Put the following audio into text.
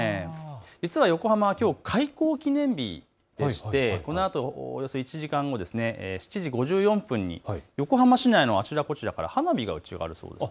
実は横浜、きょうは開港記念日でしてこのあとおよそ１時間後、７時５４分に横浜市内のあちらこちらから花火が打ち上がるそうです。